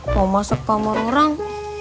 mau masuk kamar orang